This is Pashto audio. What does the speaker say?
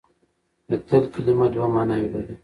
د تل کلمه دوه ماناوې لري.